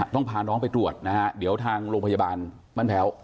ต้องพาน้องไปตรวจนะฮะเดี๋ยวทางโรงพยาบาลบ้านแพ้ว